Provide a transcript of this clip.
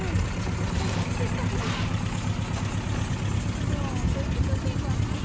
もうトイレットペーパーないわ！